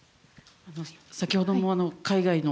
先ほども海外の＃